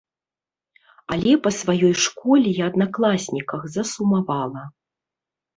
Але па сваёй школе і аднакласніках засумавала.